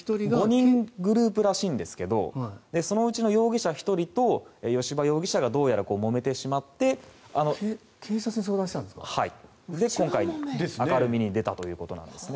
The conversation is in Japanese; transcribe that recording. ５人グループらしいんですけどそのうちの容疑者１人と吉羽容疑者がもめてしまって明るみに出たということです。